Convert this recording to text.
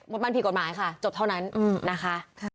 มันผิดกฎหมายค่ะจบเท่านั้นนะคะ